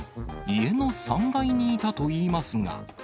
家の３階にいたといいますが。